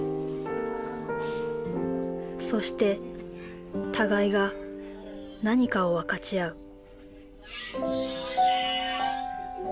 そして互いが何かを分かち合う。